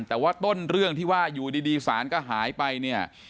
แต่ว่าต้นเรื่องที่ว่าอยู่ดีสารก็หายไปเนี่ย